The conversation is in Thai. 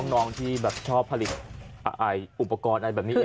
น้องที่ชอบผลิตอุปกรณ์แบบนี้เอง